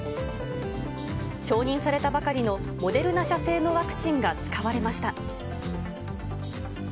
承認されたばかりのモデルナ社製のワクチンが使われました。